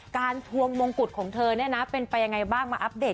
ทวงมงกุฎของเธอเป็นไปยังไงบ้างมาอัปเดต